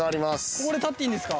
ここで立っていいんですか？